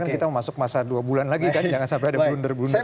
kita mau masuk masa dua bulan lagi kan jangan sampai ada blunder blunder